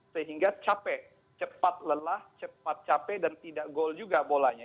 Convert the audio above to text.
sehingga capek cepat lelah cepat capek dan tidak gol juga bolanya